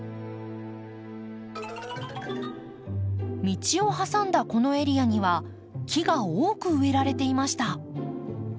道を挟んだこのエリアには木が多く植えられていました。